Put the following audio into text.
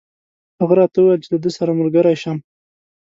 هغه راته وویل چې له ده سره ملګری شم.